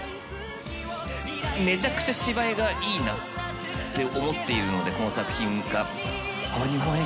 めちゃくちゃ芝居がいいなって思っているので、この作品が。